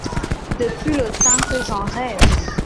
Depuis le temps que j’en rêve!